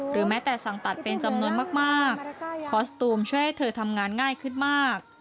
แม้แต่สั่งตัดเป็นจำนวนมากคอสตูมช่วยให้เธอทำงานง่ายขึ้นมาก